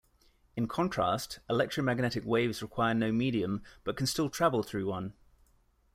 In contrast, electromagnetic waves require no medium, but can still travel through one.